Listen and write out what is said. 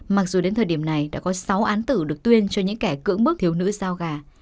mặc dù đến thời điểm này đã có sáu án tử được tuyên cho những kẻ cưỡng bức thiếu nữ giao gà